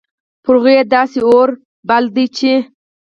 پر هغو داسي اور بل ده چې